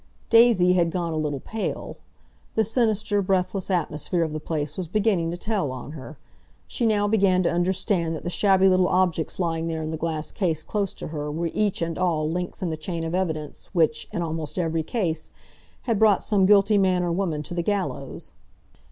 Daisy had gone a little pale. The sinister, breathless atmosphere of the place was beginning to tell on her. She now began to understand that the shabby little objects lying there in the glass case close to her were each and all links in the chain of evidence which, in almost every case, had brought some guilty man or woman to the gallows.